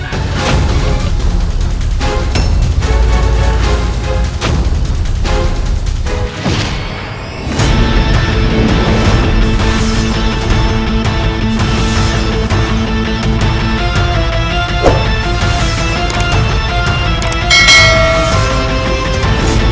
tidak ada alasan